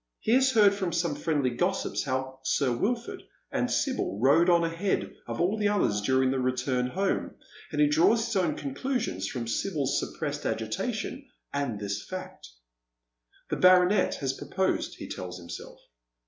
Ho has heard fi'om some fiiendly gossips how Sir Wilford and Sibyl rode on ahead of all the others during the return home, and he draws his own conclusions from Sibyl's suppressed agitation and this fact. The baronet has proposed, he tells himself.